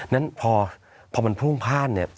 นั้นพอมันพุ่งพลาดเนี่ย